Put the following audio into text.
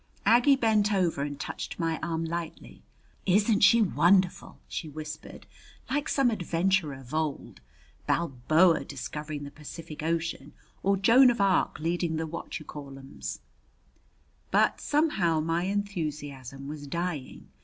Aggie bent over and touched my arm lightly. "Isn't she wonderful!" she whispered; "like some adventurer of old Balboa discovering the Pacific Ocean, or Joan of Arc leading the what you call 'ems." But somehow my enthusiasm was dying.